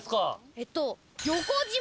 えっと。